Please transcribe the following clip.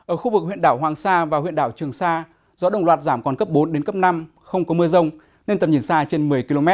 ở khu vực huyện đảo hoàng sa và huyện đảo trường sa gió đồng loạt giảm còn cấp bốn đến cấp năm không có mưa rông nên tầm nhìn xa trên một mươi km